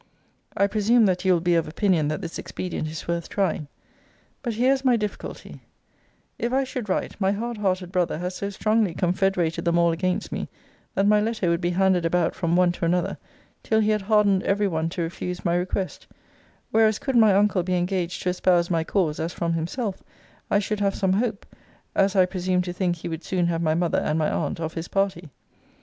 I presume, that you will be of opinion that this expedient is worth trying. But here is my difficulty: If I should write, my hard hearted brother has so strongly confederated them all against me, that my letter would be handed about from one to another, till he had hardened every one to refuse my request; whereas could my uncle be engaged to espouse my cause, as from himself, I should have some hope, as I presume to think he would soon have my mother and my aunt of his party.